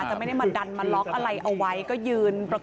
จะไม่ได้มาดันมาล็อกอะไรเอาไว้ก็ยืนประก